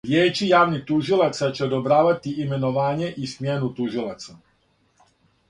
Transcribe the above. Вијеће јавних тужилаца ће одобравати именовање и смјену тужилаца.